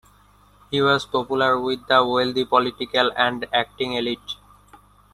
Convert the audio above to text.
He was popular with the wealthy political and acting elite.